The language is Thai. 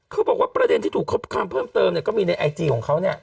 เขาบอกว่าประเด็นที่ถูกคบคำเพิ่มเติมก็มีในไอจีของเขา